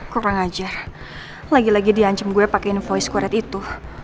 kurang ajar lagi lagi di ancam gue pakai invoice kuret itu